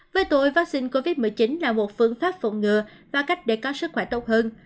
với tội vaccine covid một mươi chín là một phương pháp phòng ngừa và cách để có sức khỏe tốt hơn